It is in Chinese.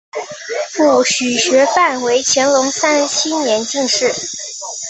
父许学范为乾隆三十七年进士。